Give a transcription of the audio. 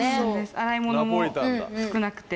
洗いものも少なくて。